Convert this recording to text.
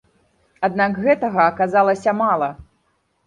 Аднак гэтага аказалася мала.